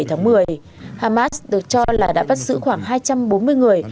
từ bảy tháng một mươi hamas được cho là đã bắt giữ khoảng hai trăm bốn mươi người